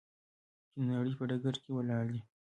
چې د نړۍ په ډګر کې ولاړ دی.